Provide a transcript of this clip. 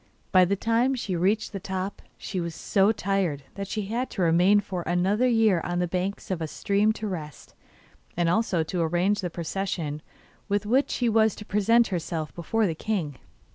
By the time she reached the top, she was so tired that she had to remain for another year on the banks of a stream to rest, and also to arrange the procession with which she was to present herself before the king.